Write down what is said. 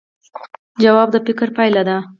ځواب د فکر پایله ده